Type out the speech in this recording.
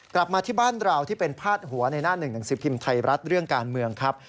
กลับมาที่บ้านเราที่เป็นพาดหัวในหน้าหนึ่งหนังสือพิมพ์ไทยรัฐเรื่องการเมืองครับ